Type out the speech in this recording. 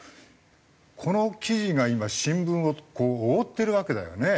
この記事が今新聞を覆ってるわけだよね。